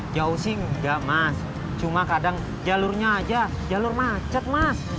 jauh sih enggak mas cuma kadang jalurnya aja jalur macet mas